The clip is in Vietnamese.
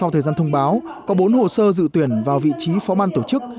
sau thời gian thông báo có bốn hồ sơ dự tuyển vào vị trí phó ban tổ chức